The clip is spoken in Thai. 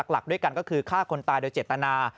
หลักด้วยกันก็คือฆ่าคนตายโดยเจตนา